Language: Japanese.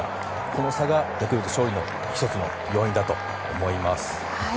この差が、ヤクルト勝利の１つの要因だと思います。